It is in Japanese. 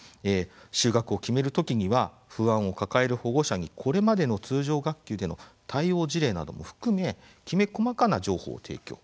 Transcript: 就学を決めるときには不安を抱える保護者にこれまでの通常学級での対応事例なども含めきめ細かな情報を提供。